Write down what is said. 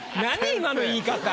今の言い方。